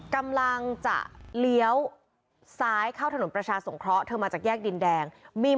กำลังจะเลี้ยวซ้ายเข้าถนนประชาสงเคราะห์เธอมาจากแยกดินแดงมี